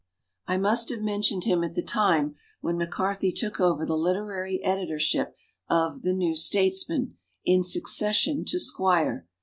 I must have mentioned him at the time when MacCarthy took over the literary edi torship of "The New Statesman" in succession to Squire.